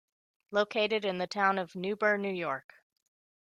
Located in the Town of Newburgh, New York.